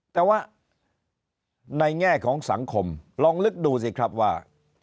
แต่ว่าในแง่ของสังคมลองนึกดูสิครับว่า